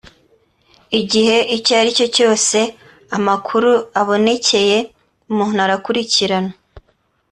Igihe icyo ari cyo cyose amakuru abonekeye umuntu arakurikiranwa